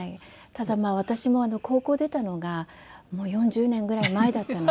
ただ私も高校を出たのがもう４０年ぐらい前だったので。